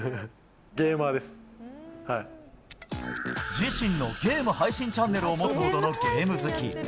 自身のゲーム配信チャンネルを持つほどのゲーム好き。